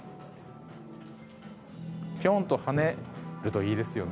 ピョンと跳ねるといいですよね。